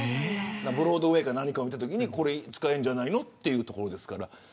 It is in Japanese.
ブロードウエーか何かを見たときにこれ使えるんじゃないかというところですから。